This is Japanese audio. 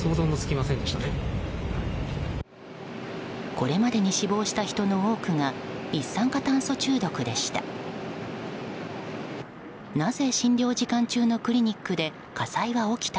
これまでに死亡した人の多くが一酸化炭素中毒でした。